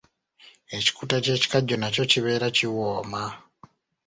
Ekikuta ky’ekikajjo nakyo kibeera kiwooma.